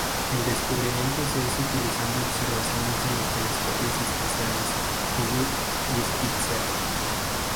El descubrimiento se hizo utilizando observaciones de los telescopios espaciales Hubble y Spitzer.